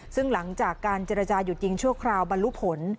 ซึ่งหลังจากการเจรจาหยุดยิงชั่วคราวบรรลุผล